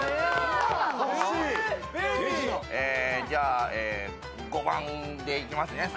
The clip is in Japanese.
じゃあ５番でいきます